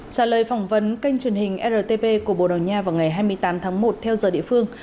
trả lời phỏng vấn kênh truyền hình rtp của bồ đào nha vào ngày hai mươi tám tháng một theo giờ địa phương